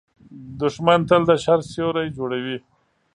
دښمن تل د شر سیوری جوړوي